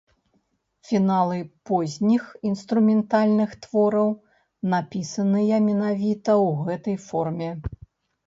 Фіналы позніх інструментальных твораў напісаныя менавіта ў гэтай форме.